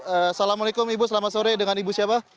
assalamualaikum ibu selamat sore dengan ibu siapa